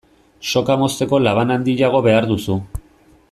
Soka mozteko laban handiago beharko duzu.